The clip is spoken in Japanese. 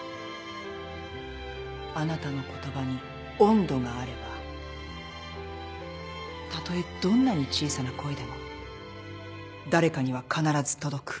あなたの言葉に温度があればたとえどんなに小さな声でも誰かには必ず届く。